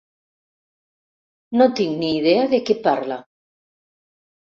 No tinc ni idea de què parla.